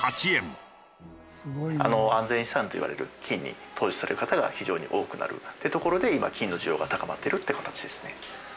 安全資産といわれる金に投資される方が非常に多くなるってところで今金の需要が高まってるって形ですね。